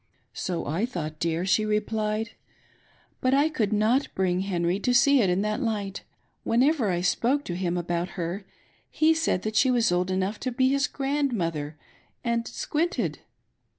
" So I thought, dear," she replied ;" but I could not bring Henry to see it in that light. Whenever I spoke to him about her he said she was old enough to be his grand i mother, and squinted.